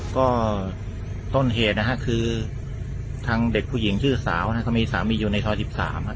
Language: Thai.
ก็ต้นเหตุนะฮะคือทางเด็กผู้หญิงชื่อสาวนะครับก็มีสามีอยู่ในซอย๑๓ครับ